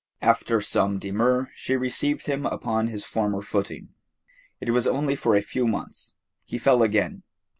After some demur she received him upon his former footing. It was only for a few months. He fell again.